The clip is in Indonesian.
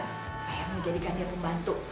saya mau jadikan dia pembantu